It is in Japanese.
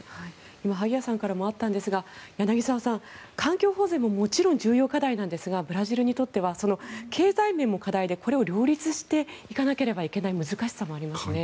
今萩谷さんからもあったんですが柳澤さん、環境保全ももちろん重要課題ですがブラジルにとっては経済面も課題でこれを両立していかなければいけない難しさもありますね。